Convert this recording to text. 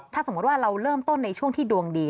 ถ้าสมมุติว่าเราเริ่มต้นในช่วงที่ดวงดี